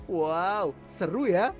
wow seru ya